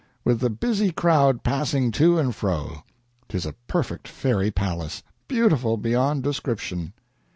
with the busy crowd passing to and fro 'tis a perfect fairy palace beautiful beyond description.